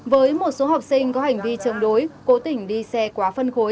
với một số học sinh có hành vi chống đối cố tỉnh đi xe quá phân khối